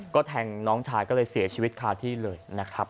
ก็แทงน้องชายก็เลยเสียชีวิตคาที่เลยนะครับ